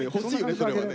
それはね。